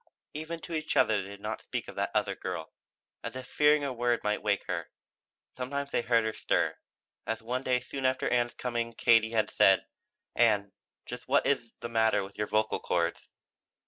Even to each other they did not speak of that other girl, as if fearing a word might wake her. Sometimes they heard her stir; as one day soon after Ann's coming Katie had said: "Ann, just what is it is the matter with your vocal chords?"